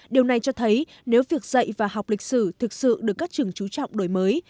điều này cho thấy nếu việc dạy và học lịch sử thực sự được các trường trú trọng đổi mới